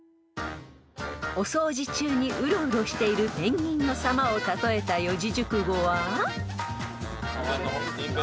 ［お掃除中にうろうろしているペンギンのさまを例えた四字熟語は］